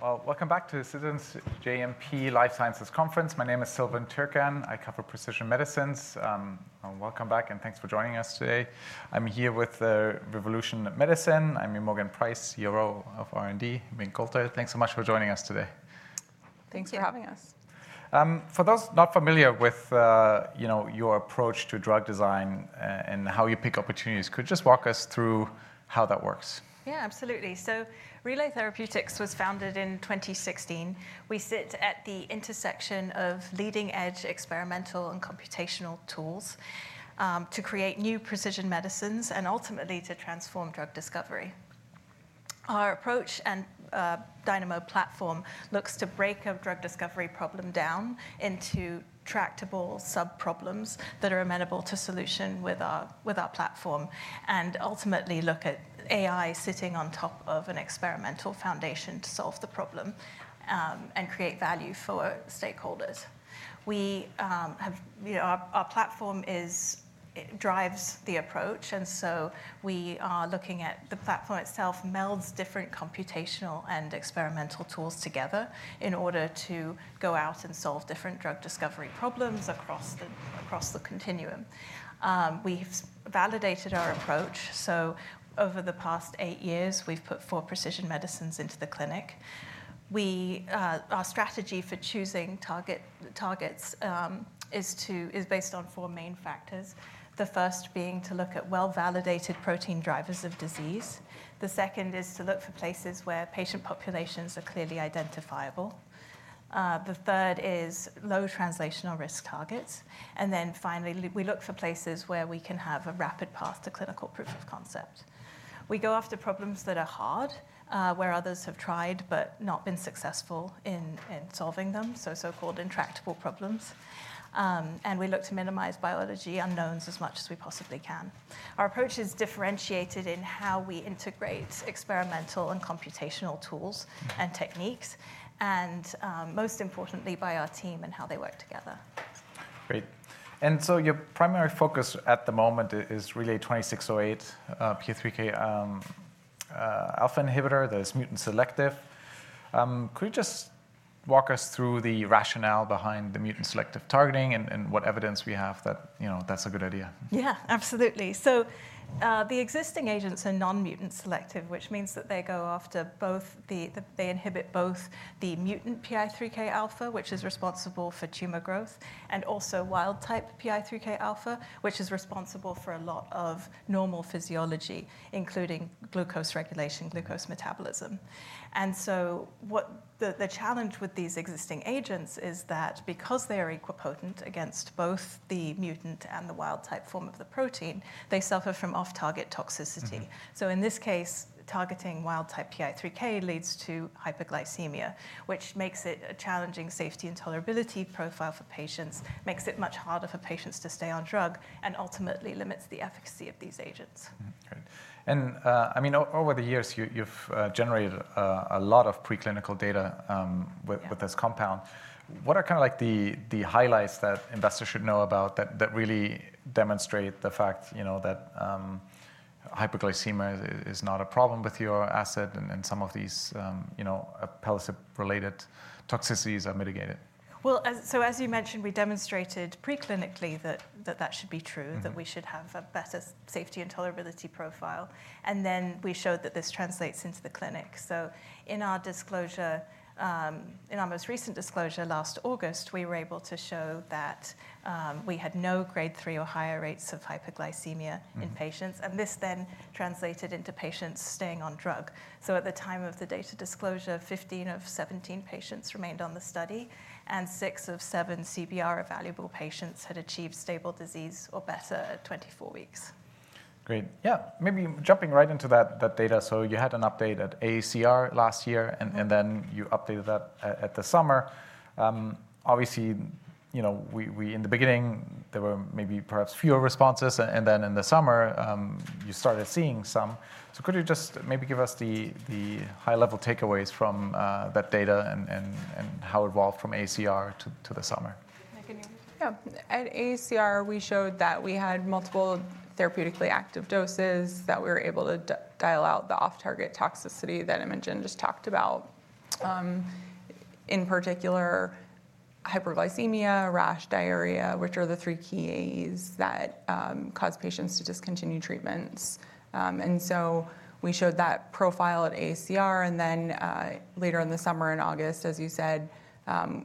All right. Welcome back to the Citizens JMP Life Sciences Conference. My name is Silvan Türkcan. I cover precision medicines. Welcome back, and thanks for joining us today. I'm here with Revolution Medicine. I'm with Imogen Pyrce, COO of R&D. thanks so much for joining us today. Thanks for having us. For those not familiar with your approach to drug design and how you pick opportunities, could you just walk us through how that works? Yeah, absolutely. So Relay Therapeutics was founded in 2016. We sit at the intersection of leading-edge experimental and computational tools to create new precision medicines and ultimately to transform drug discovery. Our approach and Dynamo platform looks to break a drug discovery problem down into tractable subproblems that are amenable to solution with our platform and ultimately look at AI sitting on top of an experimental foundation to solve the problem and create value for stakeholders. Our platform drives the approach, and so we are looking at the platform itself melds different computational and experimental tools together in order to go out and solve different drug discovery problems across the continuum. We've validated our approach. So over the past eight years, we've put four precision medicines into the clinic. Our strategy for choosing targets is based on four main factors, the first being to look at well-validated protein drivers of disease. The second is to look for places where patient populations are clearly identifiable. The third is low translational risk targets. And then finally, we look for places where we can have a rapid path to clinical proof of concept. We go after problems that are hard, where others have tried but not been successful in solving them, so-called intractable problems. And we look to minimize biology unknowns as much as we possibly can. Our approach is differentiated in how we integrate experimental and computational tools and techniques, and most importantly, by our team and how they work together. Great. And so your primary focus at the moment is RLY-2608 PI3K alpha inhibitor, the mutant-selective. Could you just walk us through the rationale behind the mutant-selective targeting and what evidence we have that that's a good idea? Yeah, absolutely. So the existing agents are non-mutant selective, which means that they inhibit both the mutant PI3K Alpha, which is responsible for tumor growth, and also wild-type PI3K Alpha, which is responsible for a lot of normal physiology, including glucose regulation, glucose metabolism. So the challenge with these existing agents is that because they are equipotent against both the mutant and the wild-type form of the protein, they suffer from off-target toxicity. In this case, targeting wild-type PI3K leads to hyperglycemia, which makes it a challenging safety and tolerability profile for patients, makes it much harder for patients to stay on drug, and ultimately limits the efficacy of these agents. Great. Over the years, you've generated a lot of preclinical data with this compound. What are kind of the highlights that investors should know about that really demonstrate the fact that hyperglycemia is not a problem with your asset and some of these platelet-related toxicities are mitigated? Well, so as you mentioned, we demonstrated preclinically that that should be true, that we should have a better safety and tolerability profile. And then we showed that this translates into the clinic. So in our disclosure, in our most recent disclosure last August, we were able to show that we had no Grade 3 or higher rates of hyperglycemia in patients. And this then translated into patients staying on drug. So at the time of the data disclosure, 15 of 17 patients remained on the study, and 6 of 7 CBR evaluable patients had achieved stable disease or better at 24 weeks. Great. Yeah, maybe jumping right into that data. So you had an update at AACR last year, and then you updated that at the summer. Obviously, in the beginning, there were maybe perhaps fewer responses. And then in the summer, you started seeing some. So could you just maybe give us the high-level takeaways from that data and how it evolved from AACR to the summer? Yeah, at AACR, we showed that we had multiple therapeutically active doses, that we were able to dial out the off-target toxicity that Imogen just talked about, in particular hyperglycemia, rash, diarrhea, which are the three key AEs that cause patients to discontinue treatments. So we showed that profile at AACR. Then later in the summer and August, as you said,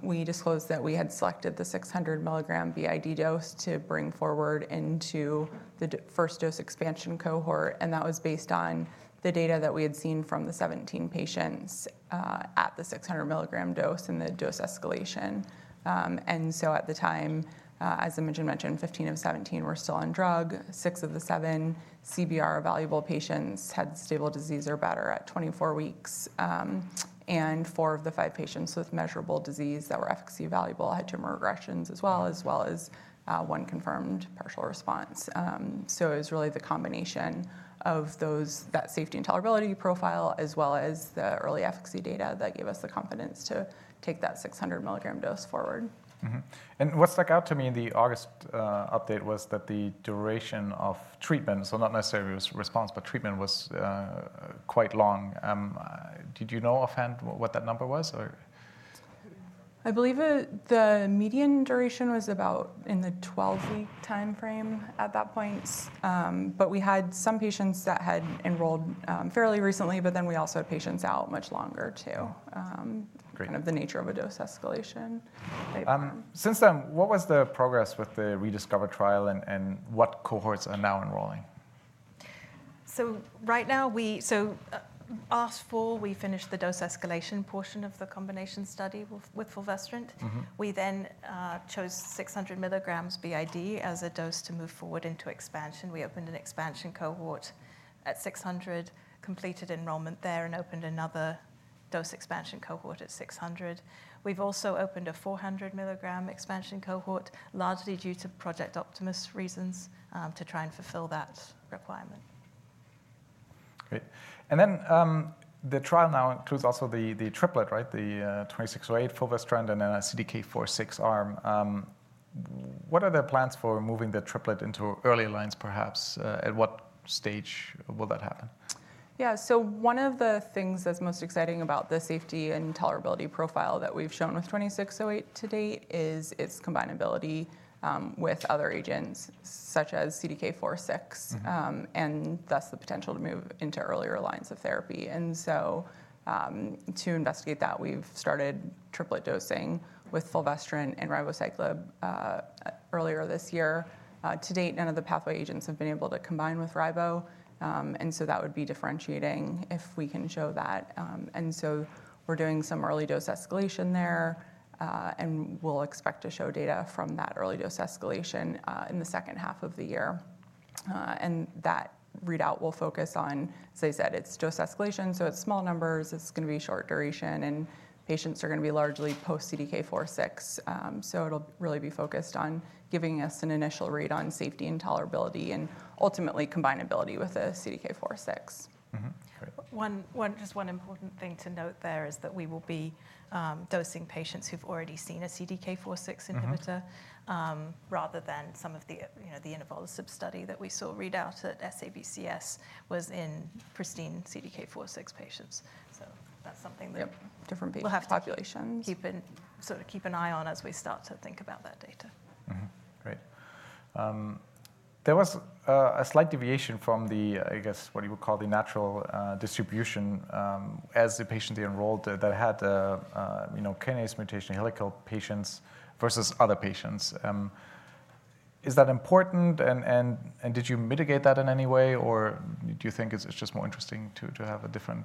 we disclosed that we had selected the 600mg BID dose to bring forward into the first dose expansion cohort. That was based on the data that we had seen from the 17 patients at the 600 mg dose and the dose escalation. So at the time, as Imogen mentioned, 15 of 17 were still on drug. 6 of the 7 CBR evaluable patients had stable disease or better at 24 weeks. 4 of the 5 patients with measurable disease that were efficacy evaluable had tumor regressions as well, as well as one confirmed partial response. It was really the combination of that safety and tolerability profile as well as the early efficacy data that gave us the confidence to take that 600 mg dose forward. What stuck out to me in the August update was that the duration of treatment, so not necessarily response, but treatment, was quite long. Did you know offhand what that number was? I believe the median duration was about in the 12-week time frame at that point. But we had some patients that had enrolled fairly recently, but then we also had patients out much longer too, kind of the nature of a dose escalation. Since then, what was the progress with the ReDiscover trial and what cohorts are now enrolling? So right now, so last fall, we finished the dose escalation portion of the combination study with fulvestrant. We then chose 600 mg BID. as a dose to move forward into expansion. We opened an expansion cohort at 600, completed enrollment there, and opened another dose expansion cohort at 600. We've also opened a 400 mg expansion cohort, largely due to Project Optimus reasons, to try and fulfill that requirement. Great. And then the trial now includes also the triplet, the 2608, fulvestrant, and then a CDK4/6 arm. What are the plans for moving the triplet into early lines, perhaps? At what stage will that happen? Yeah, so one of the things that's most exciting about the safety and tolerability profile that we've shown with 2608 to date is its combinability with other agents, such as CDK4/6, and thus the potential to move into earlier lines of therapy. And so to investigate that, we've started triplet dosing with fulvestrant and ribociclib earlier this year. To date, none of the pathway agents have been able to combine with ribo. And so that would be differentiating if we can show that. And so we're doing some early dose escalation there. And we'll expect to show data from that early dose escalation in the second half of the year. And that readout will focus on, as I said, it's dose escalation. So it's small numbers. It's going to be short duration. And patients are going to be largely post-CDK4/6. It'll really be focused on giving us an initial read on safety and tolerability and ultimately combinability with a CDK4/6. Just one important thing to note there is that we will be dosing patients who've already seen a CDK4/6 inhibitor rather than some of the intervals of study that we saw readout at SABCS was in pristine CDK4/6 patients. So that's something that we'll have to keep an eye on as we start to think about that data. Great. There was a slight deviation from the, I guess, what you would call the natural distribution as the patients enrolled that had kinase mutation helical patients versus other patients. Is that important? And did you mitigate that in any way? Or do you think it's just more interesting to have a different?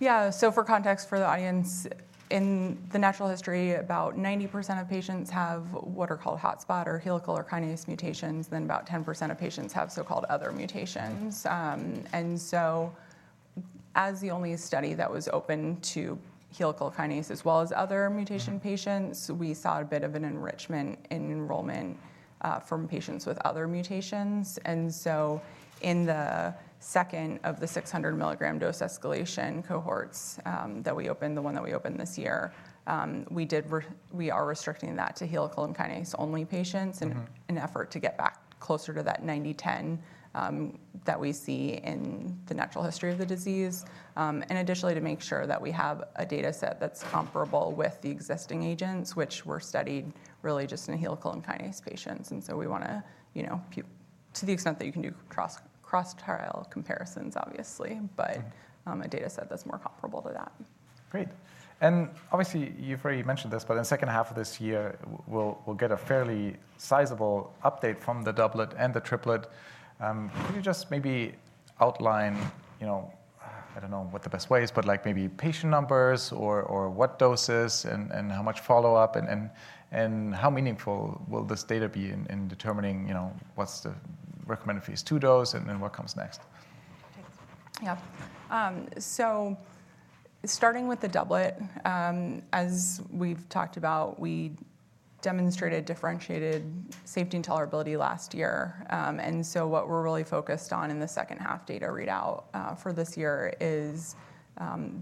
Yeah, so for context for the audience, in the natural history, about 90% of patients have what are called hotspot or helical or kinase mutations. Then about 10% of patients have so-called other mutations. And so as the only study that was open to helical kinase as well as other mutation patients, we saw a bit of an enrichment in enrollment from patients with other mutations. And so in the second of the 600 mg dose escalation cohorts that we opened, the one that we opened this year, we are restricting that to helical and kinase-only patients in an effort to get back closer to that 90/10 that we see in the natural history of the disease, and additionally to make sure that we have a data set that's comparable with the existing agents, which were studied really just in helical and kinase patients. We want to, to the extent that you can do cross-trial comparisons, obviously, but a data set that's more comparable to that. Great. And obviously, you've already mentioned this, but in the second half of this year, we'll get a fairly sizable update from the doublet and the triplet. Could you just maybe outline, I don't know what the best way is, but maybe patient numbers or what doses and how much follow-up, and how meaningful will this data be in determining what's the recommended phase 2 dose and then what comes next? Yeah, so starting with the doublet, as we've talked about, we demonstrated differentiated safety and tolerability last year. And so what we're really focused on in the second half data readout for this year is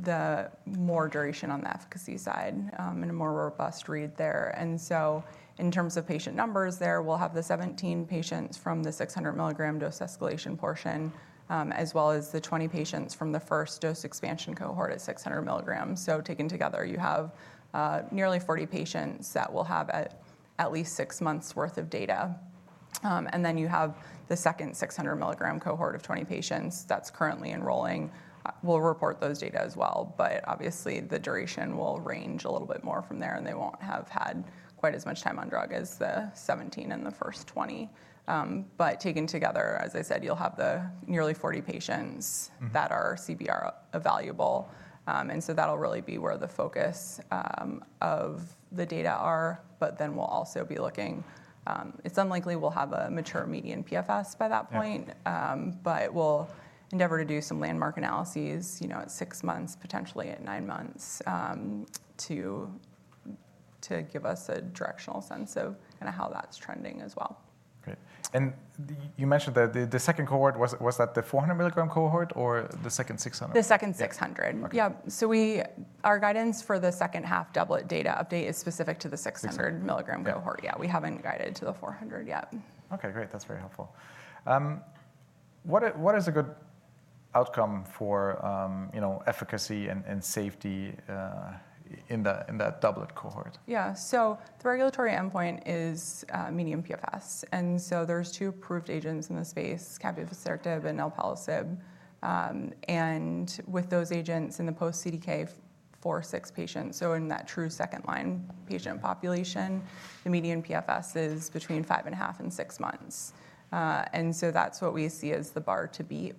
the more duration on the efficacy side and a more robust read there. And so in terms of patient numbers there, we'll have the 17 patients from the 600 milligram dose escalation portion as well as the 20 patients from the first dose expansion cohort at 600 mg. So taken together, you have nearly 40 patients that will have at least six months' worth of data. And then you have the second 600 milligram cohort of 20 patients that's currently enrolling. We'll report those data as well. But obviously, the duration will range a little bit more from there. They won't have had quite as much time on drug as the 17 and the first 20. But taken together, as I said, you'll have the nearly 40 patients that are CBR evaluable. So that'll really be where the focus of the data are. But then we'll also be looking. It's unlikely we'll have a mature median PFS by that point. But we'll endeavor to do some landmark analyses at six months, potentially at nine months, to give us a directional sense of kind of how that's trending as well. Great. And you mentioned that the second cohort, was that the 400-milligram cohort or the second 600? The second 600, yeah. So our guidance for the second half doublet data update is specific to the 600 milligram cohort. Yeah, we haven't guided to the 400 yet. OK, great. That's very helpful. What is a good outcome for efficacy and safety in that doublet cohort? Yeah, so the regulatory endpoint is median PFS. And so there's two approved agents in the space, capivasertib and alpelisib. And with those agents in the post-CDK4/6 patients, so in that true second-line patient population, the median PFS is between 5.5 and 6 months. And so that's what we see as the bar to beat,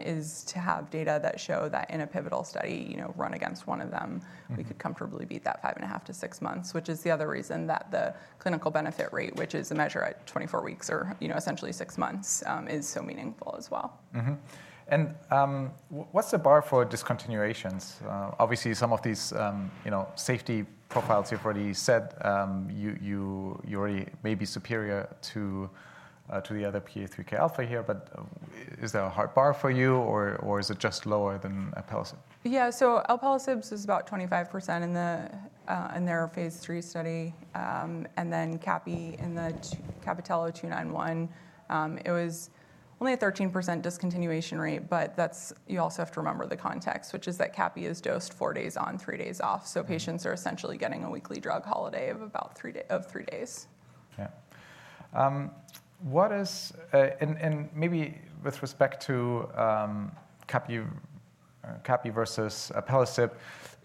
is to have data that show that in a pivotal study run against one of them, we could comfortably beat that 5.5-6 months, which is the other reason that the clinical benefit rate, which is a measure at 24 weeks or essentially six months, is so meaningful as well. And what's the bar for discontinuations? Obviously, some of these safety profiles you've already said, you're already maybe superior to the other PI3K Alpha here. But is there a hard bar for you? Or is it just lower than alpelisib? Yeah, so alpelisib is about 25% in their phase III study. And then capivasertib in the CAPItello-291, it was only a 13% discontinuation rate. But you also have to remember the context, which is that capivasertib is dosed four days on, three days off. So patients are essentially getting a weekly drug holiday of about three days. Yeah. And maybe with respect to capivasertib versus alpelisib,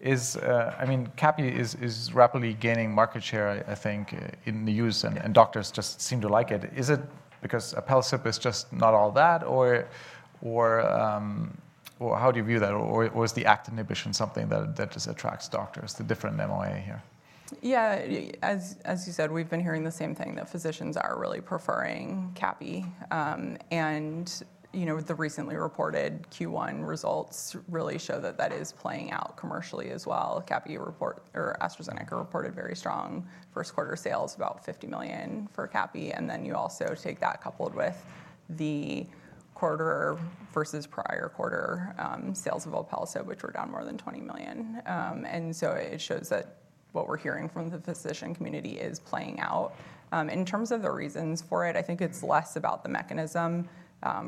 capivasertib is rapidly gaining market share, I think, in the U.S. And doctors just seem to like it. Is it because alpelisib is just not all that? Or how do you view that? Or is the AKT inhibition something that just attracts doctors, the different MOA here? Yeah, as you said, we've been hearing the same thing, that physicians are really preferring capi. And the recently reported Q1 results really show that that is playing out commercially as well. Capi or AstraZeneca reported very strong first quarter sales, about $50 million for capi. And then you also take that coupled with the quarter versus prior quarter sales of alpelisib, which were down more than $20 million. And so it shows that what we're hearing from the physician community is playing out. In terms of the reasons for it, I think it's less about the mechanism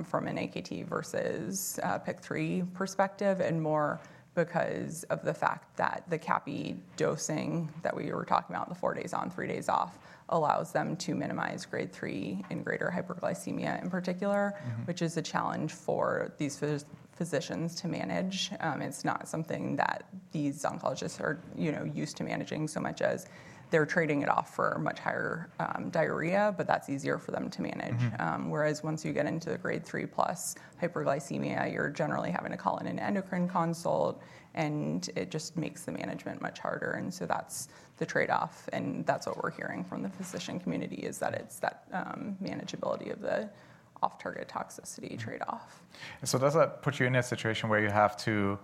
from an AKT versus PI3K perspective and more because of the fact that the capi dosing that we were talking about, the four days on, three days off, allows them to minimize grade 3 and greater hyperglycemia in particular, which is a challenge for these physicians to manage. It's not something that these oncologists are used to managing so much as they're trading it off for much higher diarrhea. But that's easier for them to manage. Whereas once you get into the grade 3 plus hyperglycemia, you're generally having to call in an endocrine consult. And it just makes the management much harder. And so that's the trade-off. And that's what we're hearing from the physician community, is that it's that manageability of the off-target toxicity trade-off. And so does that put you in a situation where you have to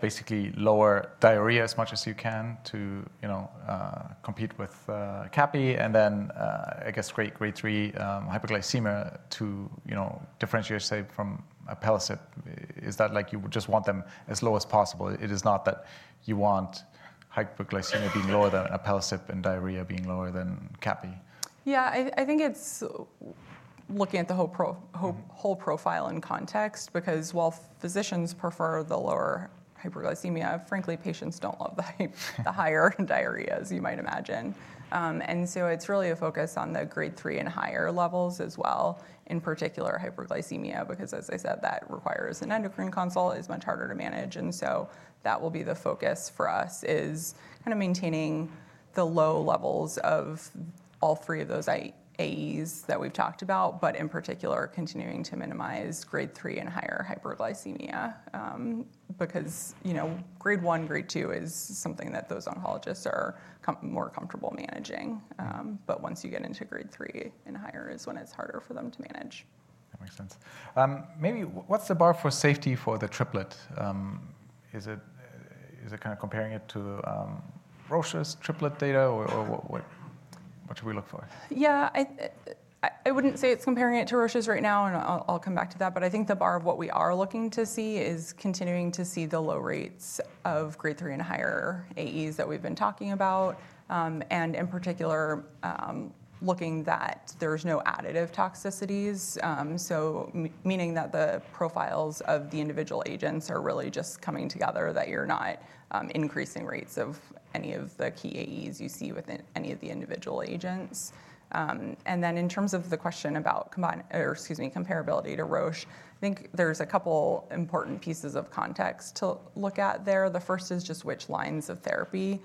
basically lower diarrhea as much as you can to compete with capi? And then, I guess, grade 3 hyperglycemia to differentiate, say, from alpelisib, is that like you would just want them as low as possible? It is not that you want hyperglycemia being lower than alpelisib and diarrhea being lower than capi? Yeah, I think it's looking at the whole profile in context. Because while physicians prefer the lower hyperglycemia, frankly, patients don't love the higher diarrhea, as you might imagine. And so it's really a focus on the grade 3 and higher levels as well, in particular hyperglycemia. Because, as I said, that requires an endocrine consult, is much harder to manage. And so that will be the focus for us, is kind of maintaining the low levels of all three of those AEs that we've talked about, but in particular continuing to minimize grade 3 and higher hyperglycemia. Because grade 1, grade 2 is something that those oncologists are more comfortable managing. But once you get into grade 3 and higher is when it's harder for them to manage. That makes sense. Maybe what's the bar for safety for the triplet? Is it kind of comparing it to Roche's triplet data? Or what should we look for? Yeah, I wouldn't say it's comparing it to Roche's right now. And I'll come back to that. But I think the bar of what we are looking to see is continuing to see the low rates of grade 3 and higher AEs that we've been talking about, and in particular looking that there's no additive toxicities, meaning that the profiles of the individual agents are really just coming together, that you're not increasing rates of any of the key AEs you see with any of the individual agents. And then in terms of the question about comparability to Roche, I think there's a couple important pieces of context to look at there. The first is just which lines of therapy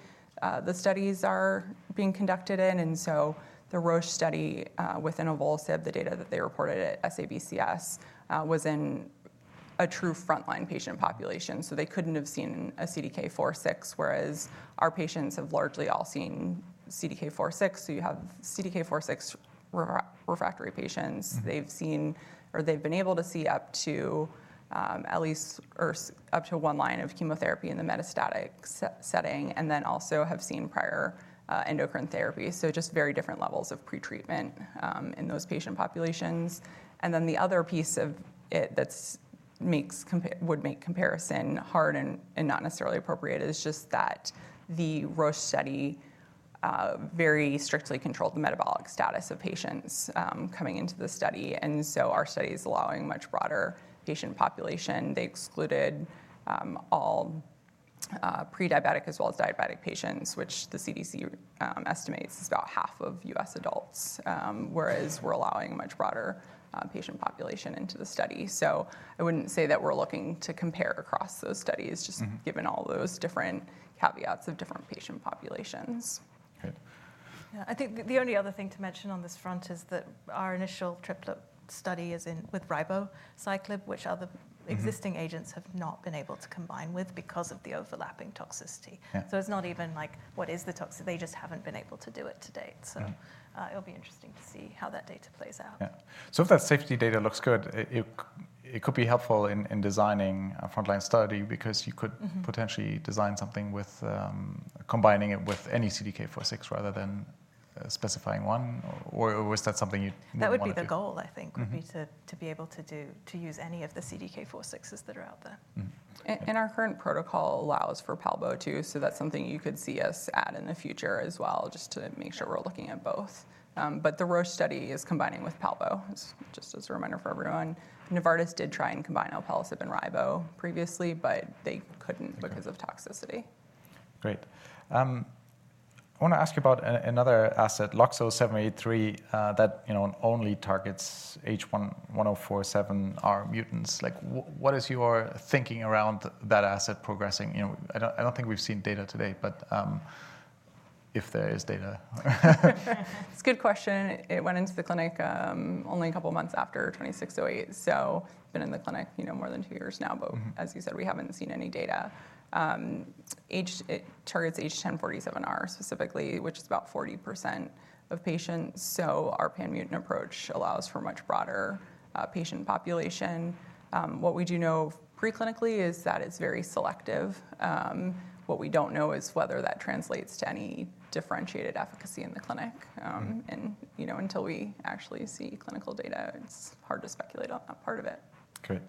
the studies are being conducted in. And so the Roche study with inavolisib, the data that they reported at SABCS, was in a true frontline patient population. So they couldn't have seen a CDK4/6. Whereas our patients have largely all seen CDK4/6. So you have CDK4/6 refractory patients. They've seen or they've been able to see up to at least up to one line of chemotherapy in the metastatic setting and then also have seen prior endocrine therapy. So just very different levels of pretreatment in those patient populations. And then the other piece of it that would make comparison hard and not necessarily appropriate is just that the Roche study very strictly controlled the metabolic status of patients coming into the study. And so our study is allowing a much broader patient population. They excluded all prediabetic as well as diabetic patients, which the CDC estimates is about half of US adults. Whereas we're allowing a much broader patient population into the study. So I wouldn't say that we're looking to compare across those studies, just given all those different caveats of different patient populations. Great. Yeah, I think the only other thing to mention on this front is that our initial triplet study is with ribociclib, which other existing agents have not been able to combine with because of the overlapping toxicity. So it's not even like, what is the toxicity? They just haven't been able to do it to date. So it'll be interesting to see how that data plays out. Yeah, so if that safety data looks good, it could be helpful in designing a frontline study. Because you could potentially design something with combining it with any CDK4/6 rather than specifying one. Or is that something you'd want to do? That would be the goal, I think, would be to be able to use any of the CDK4/6s that are out there. Our current protocol allows for palbo, too. That's something you could see us add in the future as well, just to make sure we're looking at both. The Roche study is combining with palbo, just as a reminder for everyone. Novartis did try and combine alpelisib and ribo previously, but they couldn't because of toxicity. Great. I want to ask you about another asset, LOXO-783, that only targets H1047R mutants. What is your thinking around that asset progressing? I don't think we've seen data today. But if there is data. It's a good question. It went into the clinic only a couple of months after 2608. So it's been in the clinic more than 2 years now. But as you said, we haven't seen any data. It targets H1047R specifically, which is about 40% of patients. So our panmutant approach allows for a much broader patient population. What we do know preclinically is that it's very selective. What we don't know is whether that translates to any differentiated efficacy in the clinic. And until we actually see clinical data, it's hard to speculate on that part of it. Great.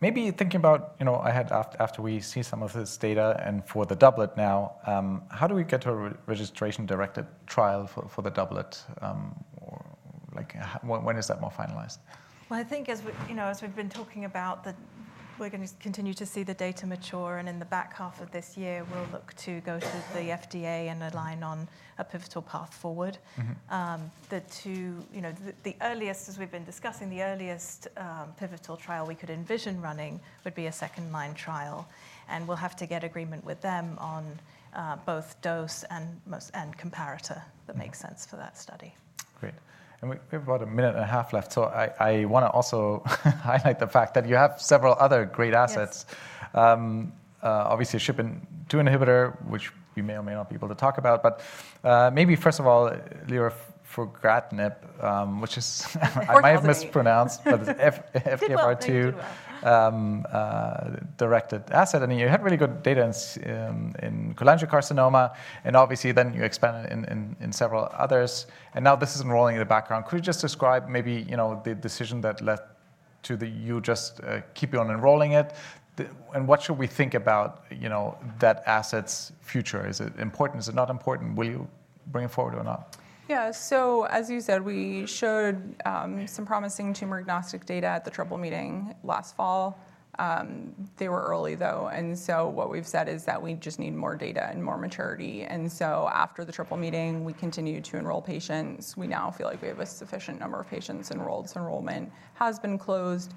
Maybe thinking about after we see some of this data and for the doublet now, how do we get to a registration-directed trial for the doublet? When is that more finalized? Well, I think as we've been talking about, we're going to continue to see the data mature. In the back half of this year, we'll look to go to the FDA and align on a pivotal path forward. The earliest, as we've been discussing, the earliest pivotal trial we could envision running would be a second-line trial. We'll have to get agreement with them on both dose and comparator that makes sense for that study. Great. And we have about a minute and a half left. So I want to also highlight the fact that you have several other great assets. Obviously, a SHP2 inhibitor, which we may or may not be able to talk about. But maybe, first of all, lirafugratinib, which I might have mispronounced. But it's FGFR2-directed asset. And you had really good data in cholangiocarcinoma. And obviously, then you expanded in several others. And now this is enrolling in the background. Could you just describe maybe the decision that led to you just keeping on enrolling it? And what should we think about that asset's future? Is it important? Is it not important? Will you bring it forward or not? Yeah, so as you said, we showed some promising tumor agnostic data at the Triple Meeting last fall. They were early, though. And so what we've said is that we just need more data and more maturity. And so after the Triple Meeting, we continue to enroll patients. We now feel like we have a sufficient number of patients enrolled. So enrollment has been closed.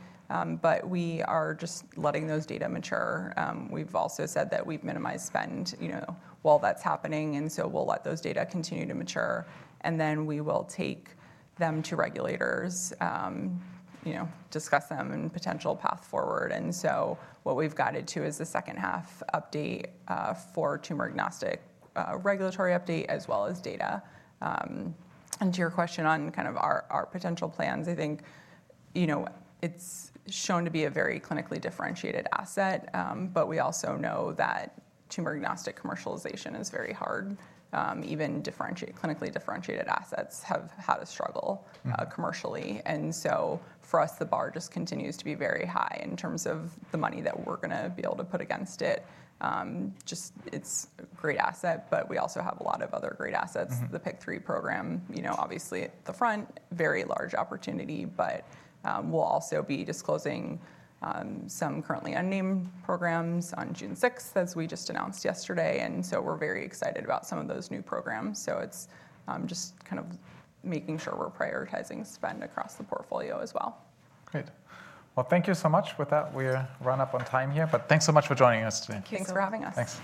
But we are just letting those data mature. We've also said that we've minimized spend while that's happening. And so we'll let those data continue to mature. And then we will take them to regulators, discuss them, and potential path forward. And so what we've got it to is the second-half update for tumor agnostic regulatory update, as well as data. And to your question on kind of our potential plans, I think it's shown to be a very clinically differentiated asset. But we also know that tumor agnostic commercialization is very hard. Even clinically differentiated assets have had a struggle commercially. And so for us, the bar just continues to be very high in terms of the money that we're going to be able to put against it. It's a great asset. But we also have a lot of other great assets, the PI3K program, obviously at the front, very large opportunity. But we'll also be disclosing some currently unnamed programs on June 6, as we just announced yesterday. And so we're very excited about some of those new programs. So it's just kind of making sure we're prioritizing spend across the portfolio as well. Great. Well, thank you so much. With that, we run up on time here. But thanks so much for joining us today. Thanks for having us. Thanks.